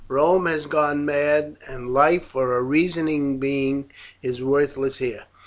Rome has gone mad, and life for a reasoning being is worthless here."